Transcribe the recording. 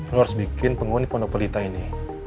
lo harus bikin penghuni pernak pelita ini